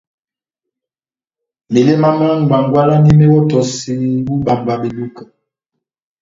Meléma myá ngwangwalani méwɔtɔseni o ibambwa beduka.